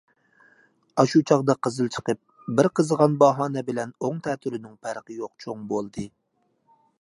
ئاشۇ چاغدا قىزىل چىقىپ، بىر قىزىغان باھانە بىلەن ئوڭ-تەتۈرىنىڭ پەرقى يوق چوڭ بولدى.